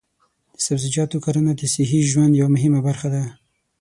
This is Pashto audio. د سبزیجاتو کرنه د صحي ژوند یوه مهمه برخه ده.